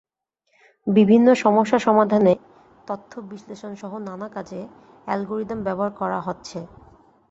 বিভিন্ন সমস্যা সমাধানে তথ্য বিশ্লেষণসহ নানা কাজে অ্যালগরিদম ব্যবহার করা হচ্ছে।